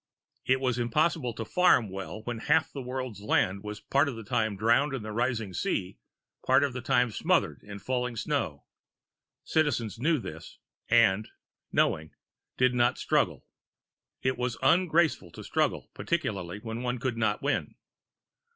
It was impossible to farm well when half the world's land was part of the time drowned in the rising sea, part of the time smothered in falling snow. Citizens knew this and, knowing, did not struggle it was ungraceful to struggle, particularly when one could not win.